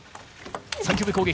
３球目、攻撃！